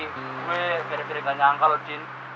saya tidak berpikir pikir jin